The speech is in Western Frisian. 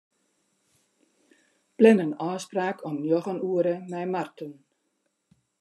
Plan in ôfspraak om njoggen oere mei Marten.